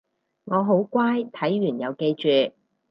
我好乖睇完有記住